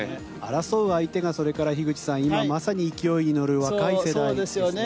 争う相手が樋口さん今まさに勢いに乗る若い世代ですよね。